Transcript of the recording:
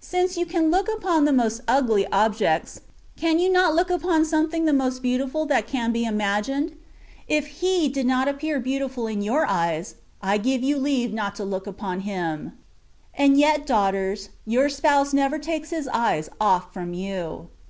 Since you can look upon the most ugly objects, can you not look upon something the most beautiful that can be imagined ? If He THE WAY OF PERFECTION, 125 do not appear beautiful in your eyes, I give you leave not to look upon Him : and yet, daughters^ your Spouse never takes His eyes off from you.